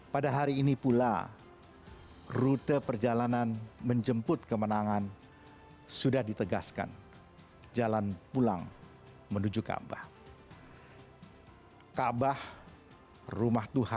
pada hari ini pula rute perjalanan menjemput kemenangan sudah ditegaskan jalan pulang menuju kaabah